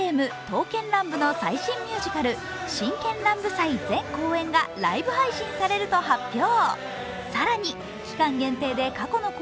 人気ゲーム「刀剣乱舞」の最新ミュージカル「真剣乱舞祭」前公演がライブ配信されると発表。